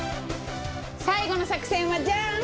最後の作戦はジャーン！